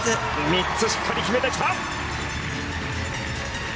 ３つしっかり決めてきた！